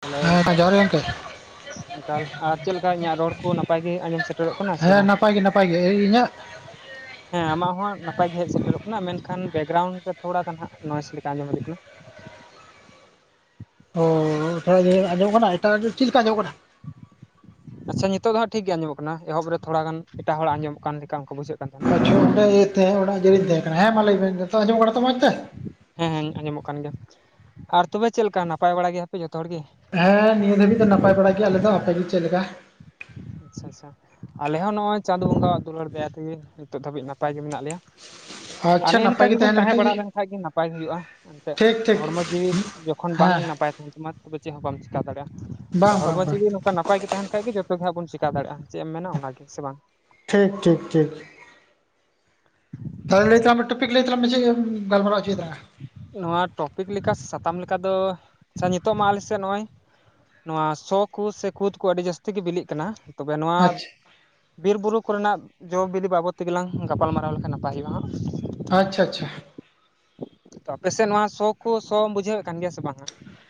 Hello ᱦᱮᱸ ᱡᱚᱦᱟᱨ ᱜᱮ ᱜᱚᱢᱠᱮ ᱮᱠᱟᱞ ᱟᱨ ᱪᱮᱫᱠᱟ ᱤᱧᱟᱹᱜ ᱨᱚᱲ ᱠᱚ ᱱᱟᱯᱟᱭ ᱜᱮ ᱟᱸᱡᱚᱢ ᱥᱮᱴᱮᱨᱚᱜ ᱠᱟᱱᱟ ᱥᱮ ᱦᱮᱸ ᱵᱟᱝ ᱦᱟᱜ ᱱᱟᱯᱟᱭ ᱜᱮ ᱱᱟᱯᱟᱭ ᱤᱧᱟᱹᱜ [inaudible] ᱦᱮᱸ ᱟᱢᱟᱜ ᱦᱚᱸ ᱱᱟᱯᱟᱭ ᱜᱮ ᱦᱮᱡ ᱥᱮᱴᱮᱨᱚᱜ ᱠᱟᱱᱟ ᱢᱮᱱᱠᱷᱟᱱ ᱵᱮᱠᱜᱨᱟᱣᱩᱱᱰ ᱨᱮ ᱛᱷᱚᱲᱟ ᱜᱟᱱ ᱦᱟᱜ ᱱᱚᱭᱮᱥ ᱞᱮᱠᱟ ᱟᱸᱡᱚᱢ ᱦᱤᱡᱩᱜ ᱠᱟᱱᱟ ᱚᱻ ᱛᱷᱚᱲᱟ ᱟᱸᱡᱚᱜ ᱠᱟᱱᱟ ᱮᱴᱟᱜ ᱪᱮᱫ ᱞᱮᱠᱟ ᱟᱸᱡᱚᱢᱚᱜ ᱠᱟᱱᱟ ᱟᱪᱪᱷᱟ ᱱᱤᱛᱳ ᱫᱚ ᱦᱟᱸᱜ ᱴᱷᱤᱠᱜᱮ ᱟᱸᱡᱚᱢᱚᱜ ᱠᱟᱱᱟ ᱮᱦᱚᱵ ᱨᱮ ᱛᱷᱚᱲᱟ ᱜᱟᱱ ᱮᱴᱟᱜ ᱦᱚᱲᱟᱜ ᱟᱸᱡᱚᱢᱚᱜ ᱠᱟᱱ ᱞᱮᱠᱟ ᱩᱱᱠᱟ ᱵᱩᱡᱷᱟᱹᱜ ᱠᱟᱱᱟ ᱟᱪᱪᱷᱟ ᱚᱸᱰᱮ ᱛᱟᱦᱮᱸ ᱚ ᱚᱱᱟ ᱡᱮᱤᱧ ᱛᱟᱦᱮᱸ ᱠᱟᱱᱟ ᱦᱮᱸ ᱢᱟ ᱞᱟᱹᱭ ᱵᱮᱱ ᱡᱚ ᱟᱸᱡᱚᱢ ᱵᱟᱲᱟ ᱢᱚᱡᱽ ᱛᱮ ᱦᱮᱸ ᱦᱮᱸ ᱟᱸᱡᱚᱢᱚᱜ ᱠᱟᱱ ᱜᱮᱭᱟ ᱟᱨ ᱛᱚᱵᱮ ᱪᱮᱫ ᱞᱮᱠᱟ ᱱᱟᱯᱟᱭ ᱵᱟᱲᱟᱭ ᱜᱮᱭᱟᱯᱮ ᱡᱚᱛᱚ ᱦᱚᱲ ᱜᱮ ᱦᱮᱸ ᱱᱤᱭᱟᱹ ᱫᱷᱟᱹᱵᱤᱡ ᱫᱚ ᱱᱟᱯᱟᱭ ᱵᱟᱲᱟᱜ ᱜᱮᱭᱟ ᱟᱞᱮ ᱫᱚ ᱟᱯᱮᱜ ᱜᱮ ᱪᱮᱫᱮ ᱞᱮᱠᱟ ᱟᱪᱪᱷᱟ ᱟᱪᱪᱷᱟ ᱟᱞᱮ ᱦᱚᱸ ᱱᱚᱜᱼᱚᱭ ᱪᱟᱸᱫ ᱵᱚᱸᱜᱟᱣᱟᱜ ᱫᱩᱞᱟᱹᱲ ᱫᱟᱭᱟ ᱛᱮᱜᱮ ᱱᱤᱛᱚᱜ ᱫᱷᱟᱹᱵᱤᱡ ᱱᱟᱯᱟᱭ ᱜᱮ ᱢᱮᱱᱟᱜ ᱞᱮᱭᱟ ᱟᱨ ᱟᱪᱪᱷᱟ ᱚᱱᱮ ᱱᱟᱯᱟᱭ ᱱᱚᱱᱝᱠᱟ ᱜᱮ ᱜᱮᱵᱚᱱ ᱛᱟᱦᱮᱸ ᱞᱮᱱᱠᱷᱟᱡ ᱵᱟᱲᱟ ᱞᱮᱱᱠᱷᱟᱱ ᱜᱮ ᱱᱟᱯᱟᱭ ᱦᱩᱭᱩᱜᱼᱟ ᱮᱱᱛᱮᱜ ᱴᱷᱤᱠ ᱴᱷᱤᱠ ᱦᱚᱲᱢᱚ ᱡᱤᱣᱤ ᱠᱷᱚᱱ ᱵᱟᱝ ᱦᱮᱸ ᱱᱟᱯᱟᱭ ᱱ ᱛᱟᱢᱟ ᱛᱚᱵᱮ ᱪᱮᱫ ᱦᱚᱸ ᱵᱟᱢ ᱪᱮᱟᱹ ᱫᱟᱲᱮᱭᱟᱜᱼᱟ ᱛᱚ ᱵᱟᱝ ᱵᱟᱝ ᱦᱚᱲᱢᱚ ᱵᱟᱝ ᱡᱩᱫᱤ ᱱᱚᱝᱠᱟ ᱱᱟᱯᱟᱭ ᱜᱮ ᱛᱟᱦᱮᱱ ᱠᱷᱟᱱ ᱜᱮ ᱡᱚᱛᱚ ᱜᱮ ᱦᱟᱸᱜ ᱵᱚ ᱪᱮᱠᱟᱼᱟ ᱪᱮᱠᱟ ᱫᱟᱲᱮᱭᱟᱜᱼᱟ ᱪᱮᱫ ᱮᱢ ᱢᱮᱱᱟ ᱚᱱᱟᱜᱮ ᱥᱮ ᱵᱟᱝ ᱴᱷᱤᱠ ᱴᱷᱤᱠ ᱴᱷᱤᱠ ᱛᱟᱦᱚᱞ ᱞᱟᱹᱭ ᱛᱟᱢ ᱴᱚᱯᱤᱠ ᱞᱟᱹᱭ ᱛᱟᱞᱟᱝ ᱢᱮ ᱮᱢ ᱜᱟᱞᱢᱟᱨᱟᱣ ᱦᱚᱪᱚᱭ ᱛᱞᱟᱝᱼᱟ ᱱᱚᱣᱟ ᱴᱚᱯᱤᱠ ᱞᱮᱠᱟ ᱥᱮ ᱥᱟᱛᱟᱢ ᱞᱮᱠᱟ ᱫᱚ ᱟᱪᱪᱷᱟ ᱱᱤᱛᱳ ᱢᱟ ᱟᱞᱮᱥᱮᱫ ᱱᱚᱜᱼᱚᱭ ᱱᱚᱣᱟ ᱥᱚ ᱠᱚ ᱥᱮ ᱠᱩᱫ ᱠᱚ ᱟᱹᱰᱤ ᱡᱟᱹᱥᱛᱤ ᱜᱮ ᱵᱤᱞᱤᱜ ᱠᱟᱱᱟ ᱛᱚᱵᱮ ᱱᱚᱣᱟ ᱟᱪᱪᱷᱟ ᱵᱤᱨ ᱵᱩᱨᱩ ᱠᱚᱨᱮᱱᱟᱜ ᱡᱚ ᱵᱤᱫᱤ ᱵᱟᱵᱚᱫ ᱛᱮᱜᱮᱞᱟᱝ ᱜᱟᱯᱟᱞᱢᱟᱨᱟᱣ ᱞᱮᱠᱷᱟᱱ ᱱᱟᱯᱟᱭ ᱦᱩᱭᱩᱜᱼᱟ ᱦᱟᱸᱜ ᱟᱪᱪᱷᱟᱻ ᱟᱪᱪᱷᱟ ᱛᱚ ᱟᱯᱮᱥᱮᱫ ᱱᱚᱣᱟ ᱥᱚ ᱠᱚ ᱥᱚ ᱵᱩᱡᱷᱟᱹᱣᱮᱫ ᱠᱟᱱ ᱜᱮᱭᱟ ᱥᱮ ᱵᱟᱝᱼᱟ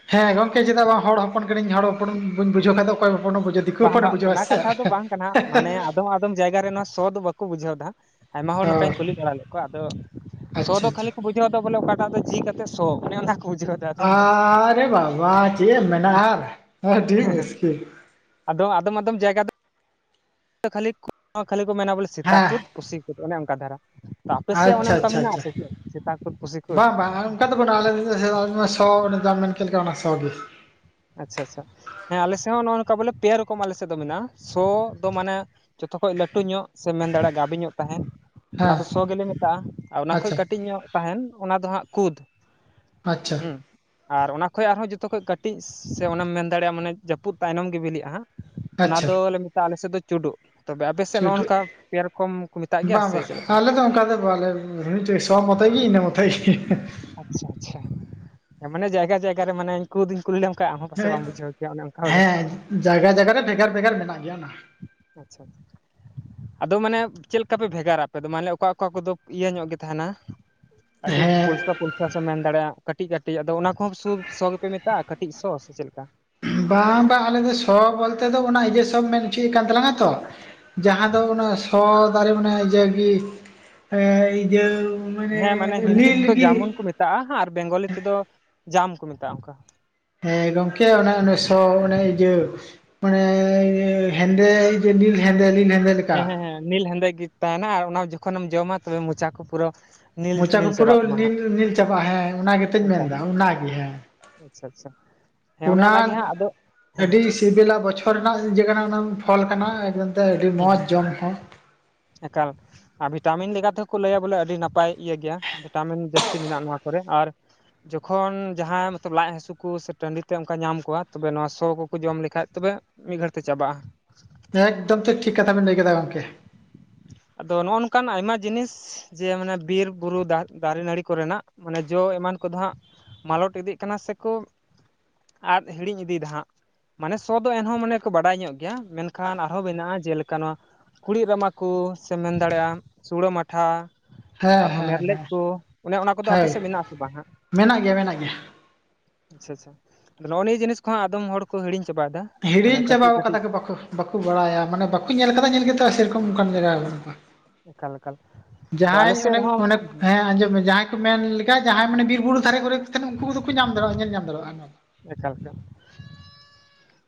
ᱦᱮᱸ ᱜᱚᱝᱠᱮ ᱪᱮᱫᱟᱜ ᱵᱟᱝ ᱦᱚᱲ ᱦᱚᱯᱚᱱ ᱠᱟᱹᱱᱟᱧ ᱦᱚᱲ ᱦᱚᱯᱚᱱ ᱵᱟᱹᱭᱤᱜ ᱵᱩᱡᱷᱟᱹᱣ ᱠᱷᱟᱭ ᱫᱚ ᱚᱠᱚᱭ ᱦᱚᱯᱚᱱ ᱮ ᱵᱩᱡᱷᱣᱫᱟ ᱵᱟᱝ ᱵᱟᱝ ᱚᱱᱟ ᱠᱟᱛᱷᱟ ᱫᱚ ᱵᱟᱝ ᱠᱟᱱᱟ ᱢᱟᱱᱮ ᱟᱫᱚᱢ - ᱟᱫᱚᱢ ᱡᱟᱭᱜᱟ ᱨᱮ ᱱᱚᱣᱟ ᱥᱚ ᱫᱚ ᱵᱟᱠᱚ ᱵᱩᱡᱷᱟᱹᱣ ᱫᱦᱟᱸ ᱟᱭᱢᱟ ᱦᱚᱲ ᱚ ᱱᱚᱝᱠᱟᱧ ᱠᱩᱞᱤ ᱵᱟᱲᱟ ᱞᱮᱫ ᱠᱚᱣᱟ ᱟᱫᱚ ᱥᱚ ᱟᱪᱪᱷᱟ ᱫᱚ ᱟᱪᱪᱷᱟ ᱠᱷᱟᱹᱞᱤ ᱠᱚ ᱵᱩᱡᱽ [unintelligible] ᱫᱚ ᱵᱚᱞᱮ ᱚᱠᱟᱴᱟᱜ ᱫᱚ ᱡᱤ ᱠᱟ ᱠᱟᱛᱮ ᱥᱚ ᱚᱱᱮ ᱚᱱᱟᱠᱚ ᱵᱩᱡᱟᱹ ᱟᱨᱮ ᱵᱟᱵᱟ ᱪᱮᱫ ᱮᱢ ᱢᱮᱱᱟᱜᱼᱟ ᱟᱨ ᱟᱹᱰᱤ ᱢᱩᱥᱠᱤᱞ ᱟᱫᱚ ᱟᱫᱚᱢ- ᱟᱫᱚᱢ ᱡᱟᱭᱜᱟ ᱠᱷᱟᱹᱞᱤ ᱠᱷᱟᱹᱞᱤ ᱠᱚ ᱢᱮᱱᱟ ᱵᱚᱞᱮ ᱥᱮᱛᱟ ᱠᱩᱫ ᱦᱮᱸ ᱯᱩᱥᱤ ᱠᱩᱫ ᱚᱱᱮ ᱚᱱᱠᱟ ᱫᱷᱟᱨᱟ ᱟᱯᱮ ᱥᱮᱫ ᱚᱱᱮ ᱟᱪᱪᱷᱟ ᱚᱱᱠᱟ ᱟᱪᱪᱷᱟ ᱢᱮᱱᱟᱜᱼ ᱟ ᱟᱪᱪᱷᱟ ᱥᱮ ᱪᱮᱫ ᱥᱮᱛᱟ ᱠᱩᱫ ᱯᱩᱥᱤ ᱠᱩᱫ ᱚᱠᱟ ᱫᱚᱵᱚᱱ ᱟᱞᱮ ᱥᱚ ᱡᱟᱢᱤᱱ ᱪᱮᱫ ᱞᱮᱠᱟ ᱚᱱᱟ ᱥᱚ ᱜᱮ [unintelligible] ᱟᱪᱪᱷᱟ ᱟᱪᱪᱷᱟ ᱦᱮᱸ ᱟᱞᱮ ᱥᱮᱫ ᱦᱚᱸ ᱱᱚᱜᱼᱚ ᱱᱚᱝᱠᱟ ᱵᱚᱞᱮ ᱯᱮ ᱨᱚᱠᱚᱢ ᱟᱞᱮ ᱥᱮᱫ ᱫᱚ ᱢᱮᱱᱟᱜᱼᱟ ᱥᱚ ᱫᱚ ᱢᱟᱱᱮ ᱡᱚᱛᱚ ᱠᱷᱚᱡ ᱞᱟᱹᱴᱩ ᱧᱚᱜ ᱥᱮ ᱢᱮᱱ ᱫᱟᱲᱮᱭᱟᱜᱼᱟ ᱜᱟᱹᱵᱮ ᱧᱚᱜ ᱛᱟᱦᱮᱸᱱ ᱚᱱᱟ ᱦᱮᱸ ᱫᱚ ᱥᱚ ᱜᱮᱞᱮ ᱢᱮᱛᱟᱜᱼᱟ ᱟᱨ ᱚᱱᱟ ᱠᱷᱚᱡ ᱟᱪᱪᱷᱟ ᱠᱟᱹᱴᱤᱡ ᱧᱚᱜ ᱛᱟᱦᱮᱱ ᱚᱱᱟ ᱫᱚ ᱦᱟᱸᱜ ᱠᱩᱫᱽ ᱟᱪᱪᱷᱟ ᱦᱩᱸ ᱟᱨ ᱚᱱᱟ ᱠᱷᱚᱡ ᱟᱨᱦᱚᱸ ᱡᱚᱛᱚ ᱠᱷᱚᱡ ᱠᱟᱹᱴᱤᱡ ᱠᱟᱹᱴᱤᱡ ᱥᱮ ᱚᱱᱟᱮᱢ ᱢᱮᱱ ᱫᱟᱲᱮᱭᱟᱜᱼᱟ ᱢᱟᱱᱮ ᱡᱟᱹᱯᱩᱫ ᱛᱟᱭᱱᱚᱢ ᱜᱮ ᱵᱤᱞᱤᱜᱼᱟ ᱦᱟᱸᱜ ᱚᱱᱟ ᱟᱪᱪᱷᱟ ᱫᱚᱞᱮ ᱢᱮᱛᱟᱜᱼᱟ ᱟᱞᱮᱥᱮᱫ ᱫᱚ ᱪᱩᱰᱩᱜ ᱛᱚᱵᱮ ᱟᱯᱮ ᱥᱮᱫ ᱱᱚᱼ ᱪᱷᱩᱴᱩ ᱱᱚᱝᱠᱟ ᱯᱮ ᱨᱚᱠᱚᱢ ᱠᱚ ᱢᱮᱛᱟᱜ ᱜᱮᱭᱟ ᱥᱮ ᱪᱮᱫ ᱞᱮᱠᱟ ᱢᱤᱫ ᱴᱟᱝ ᱥᱳ ᱢᱚᱛ ᱜᱤ ᱤᱱᱟᱹ ᱢᱚᱛᱳ ᱜᱮ ᱟᱪᱪᱷᱟ ᱻᱟᱪᱪᱷᱟ ᱢᱟᱱᱮ ᱡᱟᱭᱜᱟᱻ ᱡᱟᱭᱜᱟ ᱨᱮ ᱢᱟᱱᱮ ᱠᱩᱫ ᱤᱧ ᱠᱩᱞᱤᱟᱢ ᱦᱮᱸᱻ ᱦᱮᱸ ᱡᱟᱭᱜᱟ ᱡᱟᱭᱜᱟ ᱨᱮ ᱵᱷᱮᱜᱟᱨᱻ ᱵᱷᱮᱜᱟᱨ ᱢᱮᱱᱟᱜ ᱜᱮᱭᱟ ᱚᱱᱟ ᱟᱪᱪᱷᱟ ᱟᱫᱚ ᱢᱟᱱᱮ ᱪᱮᱫ ᱞᱮᱠᱟ ᱯᱮ ᱵᱷᱮᱜᱟᱨᱟ ᱟᱯᱮ ᱫᱚ ᱢᱟᱱᱮ ᱚᱠᱟ ᱚᱠᱟ ᱠᱚᱫᱚ ᱤᱭᱟᱹ ᱧᱚᱜ ᱜᱮ ᱛᱟᱦᱮᱱᱟ ᱟᱹᱰᱤ ᱦᱮᱸ ᱯᱚᱞᱥᱟ ᱯᱷᱚᱞᱥᱟ ᱥᱮ ᱢᱮᱱ ᱫᱟᱲᱮᱭᱟᱜᱼᱟ ᱠᱟᱹᱴᱤᱡ, -ᱠᱟᱹᱴᱤᱡ ᱟᱫᱚ ᱚᱱᱟ ᱠᱚᱦᱚᱸ ᱥᱩ ᱥᱚ ᱜᱮᱯᱮ ᱢᱮᱛᱟᱜᱼᱟ? ᱠᱟᱹᱴᱤᱡ ᱥᱚ ᱥᱮ ᱪᱮᱫ ᱞᱮᱠᱟ? ᱵᱟᱝ ᱵᱟᱝ ᱟᱞᱮ ᱫᱚ ᱥᱚ ᱵᱚᱞᱛᱮ ᱫᱚ ᱚᱱᱟ ᱤᱭᱟᱹ ᱥᱚ ᱢᱮᱱ ᱦᱚᱪᱚᱭᱮᱫ ᱠᱟᱱ ᱛᱟᱞᱟᱝᱟ ᱛᱚ ᱡᱟᱦᱟᱸ ᱫᱚ ᱚᱱᱟ ᱥᱚ ᱫᱟᱨᱮ ᱢᱟᱱᱮ ᱡᱮ ᱤᱭᱟᱹ ᱤᱭᱟ. ᱜᱤ ᱤᱭᱟ. ᱢᱟᱱᱮ ᱦᱮᱸ ᱦᱤᱱᱫᱤ ᱱᱤᱞ ᱛᱮᱫᱚ ᱜᱮ ᱡᱟᱢᱩᱱ ᱠᱚ ᱢᱮᱛᱟᱜᱼᱟ ᱦᱟᱸᱝ ᱟᱨ ᱵᱮᱝᱜᱚᱞᱤ ᱛᱮᱫᱚ ᱡᱟᱢ ᱠᱚ ᱢᱮᱛᱟᱜᱼᱟ ᱚᱱᱠᱟ ᱦᱮᱸ ᱜᱚᱝᱠᱮ ᱚᱱᱮ ᱚᱱᱟᱚᱱ ᱥᱚ ᱚᱱᱮ ᱤᱭᱟᱹ ᱢᱟᱱᱮ ᱦᱮᱸᱫᱮ ᱱᱤᱞ ᱦᱸᱫᱮ ᱱᱤᱞ ᱦᱸᱫᱮ ᱦᱮᱸ ᱻᱦᱮᱸᱻ ᱦᱮᱸ ᱱᱤᱞ ᱦᱮᱸᱫᱮ ᱜᱮ ᱛᱟᱦᱮᱱᱟ ᱟᱨ ᱚᱱᱟ ᱡᱚᱠᱷᱚᱱ ᱮᱢ ᱡᱚᱢᱟ ᱛᱚᱵᱮ ᱢᱚᱪᱟ ᱠᱚ ᱯᱩᱨᱟᱹ ᱱᱤᱞ ᱢᱚᱪᱟ ᱠᱚ ᱱᱤᱞ ᱯᱩᱨᱟᱹ ᱪᱟᱵᱟᱜ ᱛᱟᱢᱟ ᱦᱟᱸᱜ ᱱᱤᱞ-ᱱᱤᱞ ᱪᱟᱵᱟᱜᱼᱟ ᱦᱮᱸ ᱚᱱᱟ ᱜᱮᱛᱚ ᱤᱧ ᱢᱮᱱᱫᱟ ᱚᱱᱟᱜᱮ ᱦᱮᱸ ᱟᱪᱪᱷᱟ-ᱟᱪᱪᱷᱟ ᱦᱮᱸ ᱚᱱᱮ ᱚᱱᱟ ᱚᱱᱟᱜᱮ ᱦᱟᱸᱜ ᱟᱫᱚ ᱦᱮᱸ ᱟᱹᱰᱤ ᱻᱦᱮᱸ ᱥᱤᱵᱤᱞᱟ ᱵᱚᱪᱷᱚᱨ ᱨᱮᱱᱟᱜ ᱡ ᱠᱟᱱᱟ ᱚᱱᱟ ᱯᱷᱚᱞ ᱠᱟᱱᱟ ᱮᱠᱫᱚᱢ ᱛᱮ ᱟᱹᱰᱤ ᱦᱩᱸ ᱦᱩᱸ ᱢᱚᱸᱡᱽ ᱡᱚᱢ ᱦᱚᱸ ᱮᱠᱟᱞ ᱟᱨ ᱵᱷᱤᱴᱟᱢᱤᱱ ᱞᱮᱠᱟ ᱛᱮᱠᱚ ᱞᱟᱹᱭᱟ ᱵᱚᱞᱮ ᱟᱹᱰᱤ ᱱᱟᱯᱟᱭ ᱤᱭᱟᱹ ᱜᱮᱭᱟ ᱵᱷᱤᱴᱟᱢᱤᱱ ᱡᱟᱹᱥᱛᱤ ᱢᱮᱱᱟᱜᱼᱟ ᱱᱚᱣᱟ ᱠᱚᱨᱮ ᱟᱨ ᱡᱚᱠᱷᱚᱱ ᱡᱟᱦᱟᱸᱭ ᱢᱚᱛᱚᱵ ᱞᱟᱡ ᱦᱟᱹᱥᱩ ᱠᱚ ᱥᱮ ᱴᱟᱺᱰᱤ ᱛᱮ ᱚᱱᱠᱟ ᱧᱟᱢ ᱠᱚᱣᱟ ᱛᱚᱵᱮ ᱱᱚᱶᱟ ᱥᱚ ᱠᱚᱠᱚ ᱡᱚᱢ ᱞᱮᱠᱷᱟᱡ ᱛᱚᱵᱮ ᱢᱤᱫ ᱜᱷᱟᱹᱲ ᱛᱮ ᱪᱟᱵᱟᱜᱼᱟ ᱮᱠᱫᱚᱢ ᱛᱚ ᱴᱷᱤᱠ ᱠᱟᱛᱷᱟ ᱵᱮᱱ ᱞᱟᱹᱭ ᱠᱮᱫᱟ ᱜᱚᱢᱠᱮ ᱟᱫᱚ ᱱᱚᱜᱼ ᱱᱚᱝᱠᱟᱱ ᱟᱭᱢᱟ ᱡᱤᱱᱤᱥ ᱡᱮ ᱢᱟᱱᱮ ᱵᱤᱨ - ᱵᱩᱨᱩ ᱫᱟᱨᱮ ᱱᱟᱹᱲᱤ ᱠᱚᱨᱮᱱᱟᱜ ᱢᱟᱱᱮ ᱡᱚ ᱮᱢᱟᱱ ᱠᱚᱫᱚ ᱦᱟᱸᱜ ᱢᱟᱞᱚᱴ ᱤᱫᱤᱜ ᱠᱟᱱᱟ ᱥᱮᱠᱚ ᱟᱨ ᱦᱤᱲᱤᱧ ᱤᱫᱤᱭᱮᱫᱟ ᱦᱟᱸᱜ ᱢᱟᱱᱮ ᱥᱚ ᱫᱚ ᱮᱱᱦᱚᱸ ᱢᱟᱱᱮ ᱠᱚ ᱵᱟᱰᱟᱭ ᱧᱚᱜ ᱜᱮ ᱜᱮᱭᱟ ᱢᱮᱱᱠᱷᱟᱱ ᱟᱨᱦᱚᱸ ᱢᱮᱱᱟᱜᱼᱟ ᱡᱮᱞᱮᱠᱟ ᱱᱚᱶᱟ ᱠᱩᱲᱤᱫ ᱨᱟᱢᱟ ᱠᱚᱻ ᱥᱮᱢ ᱢᱮᱱ ᱫᱟᱲᱮᱭᱟᱜᱼᱟ ᱥᱩᱲᱟᱹ ᱢᱟᱴᱷᱟ ᱦᱮᱸ ᱟᱨᱦᱚᱸ ᱦᱮᱸ ᱢᱮᱨᱞᱮᱡ ᱦᱮᱸ ᱠᱚ ᱚᱱᱮ ᱚᱱᱟ ᱠᱚᱫᱚ ᱟᱯᱮ ᱦᱳᱭ ᱥᱮᱫ ᱢᱮᱱᱟᱜ ᱟᱥᱮ ᱵᱟᱝ ᱦᱟᱸᱜᱼᱟ? ᱢᱮᱱᱟᱜ ᱜᱮᱭᱟ ᱢᱮᱱᱟᱜ ᱜᱮᱭᱟ ᱟᱪᱪᱷᱟ -ᱟᱪᱷᱟ ᱟ ᱱᱚᱜᱼᱚ ᱱᱤᱭᱟᱹ ᱡᱤᱱᱤᱥ ᱠᱚ ᱦᱟᱜ ᱟᱫᱚᱢ ᱦᱚᱲ ᱠᱚ ᱦᱮᱲᱤᱧ ᱪᱟᱵᱟ ᱠᱟᱜᱼᱟ ᱦᱤᱲᱤᱧ ᱪᱟᱵᱟ ᱟᱠᱟᱫᱟ ᱵᱟ ᱵᱟᱠᱚ ᱵᱟᱲᱟᱭᱟ ᱢᱟᱱᱮ ᱵᱟᱠᱚ ᱧᱮᱞ ᱟᱠᱟᱫᱟ ᱧᱮᱞ ᱜᱮᱛᱚ ᱥᱮᱨᱚᱠᱚᱢ ᱚᱱᱟᱱ ᱡᱟᱭᱜᱟ ᱵᱩᱜᱼᱟ ᱮᱠᱟᱞ ᱮᱠᱟᱞ ᱟᱫᱚ ᱟᱞᱮ ᱡᱟᱦᱟᱸᱭ ᱥᱮᱫ ᱚᱱᱮᱧ ᱨᱮᱦᱚᱸ ᱚᱱᱮᱠ ᱦᱮᱸ ᱟᱸᱡᱚᱢ ᱢᱮ ᱜᱤᱭ ᱡᱟᱦᱟᱸᱭ ᱢᱮᱱ ᱞᱮᱠᱟ ᱡᱟᱦᱟᱸᱭ ᱢᱟᱱᱮ ᱵᱤᱨᱻ ᱵᱩᱨᱩ ᱫᱷᱟᱨᱮ ᱠᱚᱨᱮ ᱠᱚ ᱛᱟᱦᱮᱱ ᱩᱱᱠᱩ ᱠᱚᱫᱚ ᱠᱚ ᱧᱟᱢ ᱫᱟᱲᱮᱭᱟᱜᱼᱟ ᱧᱮᱞ ᱧᱟᱢ ᱫᱟᱲᱮᱭᱟᱜᱼᱟ ᱮᱠᱟᱞ ᱛᱮ